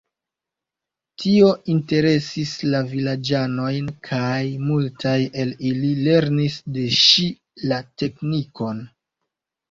Tio interesis la vilaĝanojn, kaj multaj el ili lernis de ŝi la teknikon.